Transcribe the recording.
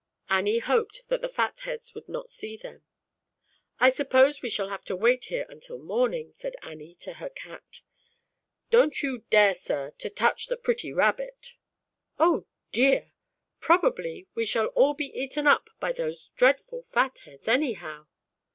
Annie hoped that the Fat Heads would not see them. "I suppose we shall have to wait here until morning," said Annie to her Cat. " Don't you dare, sir, to touch the pretty Rabbit." "Oh dear! Probably, we shall all be / 7 eaten up by those dreadful Fat Heads, anyhow."